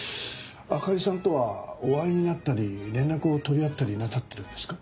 あかりさんとはお会いになったり連絡を取り合ったりなさってるんですか？